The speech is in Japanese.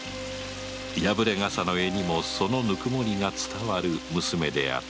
破れ傘の柄にもその温もりが伝わる娘であった